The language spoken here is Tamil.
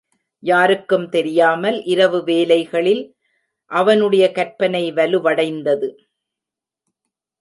யாருக்கும் தெரியாமல், இரவு வேலைகளில் அவனுடைய கற்பனை வலுவடைந்தது.